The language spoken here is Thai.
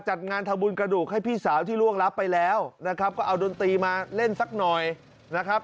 จัดงานทำบุญกระดูกให้พี่สาวที่ล่วงรับไปแล้วนะครับก็เอาดนตรีมาเล่นสักหน่อยนะครับ